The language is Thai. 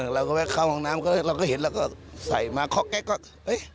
เราก็แวะเข้าห้องน้ำเราก็เห็นเราก็ใส่มาเคาะแก๊ก